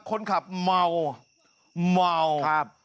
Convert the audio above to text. คนขับเมาเมาครับ